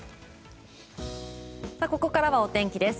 ここからはお天気です。